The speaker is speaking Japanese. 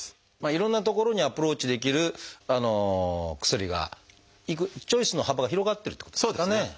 いろんなところにアプローチできる薬がチョイスの幅が広がってるってことですかね。